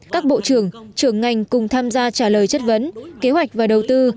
các bộ trưởng trưởng ngành cùng tham gia trả lời chất vấn kế hoạch và đầu tư